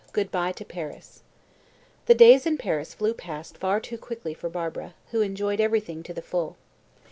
GOOD BYE TO PARIS. The days in Paris flew past far too quickly for Barbara, who enjoyed everything to the full.